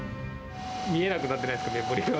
見えなくなってないですか？